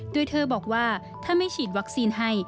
โดยเธอบอกว่าถ้าไม่ฉีดวัคซีนให้